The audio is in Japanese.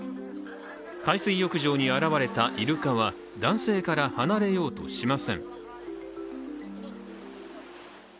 海水浴場に現れたイルカは男性から離れようとしません。